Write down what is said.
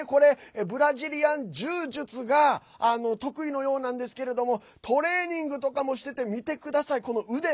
ブラジリアン柔術が得意のようなんですけれどもトレーニングとかもしてて見てください、この腕。